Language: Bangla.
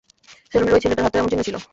সেলুনের ওই ছেলেটার হাতেও এমন চিহ্ন ছিল।